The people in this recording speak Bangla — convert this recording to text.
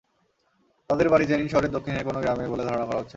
তাঁদের বাড়ি জেনিন শহরের দক্ষিণের কোনো গ্রামে বলে ধারণা করা হচ্ছে।